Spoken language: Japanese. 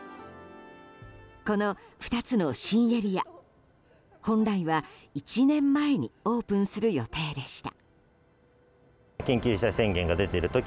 この２つの新エリア本来は１年前にオープンする予定でした。